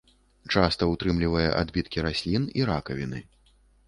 Часта ўтрымлівае адбіткі раслін і ракавіны.